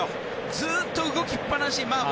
ずっと動きっぱなし。